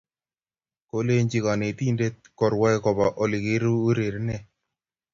Kolenji konetindet korwai koba olekiurerene